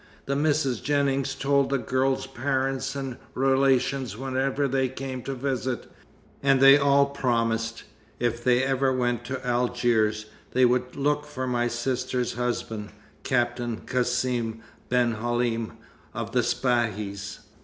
The Misses Jennings told the girls' parents and relations whenever they came to visit, and they all promised, if they ever went to Algiers, they would look for my sister's husband, Captain Cassim ben Halim, of the Spahis.